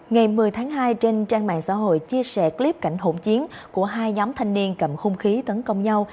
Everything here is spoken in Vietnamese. ngày một mươi tháng hai trên trang mạng xã hội chia sẻ clip cảnh hỗn chiến của hai nhóm thanh niên cầm hung khí tấn công nhau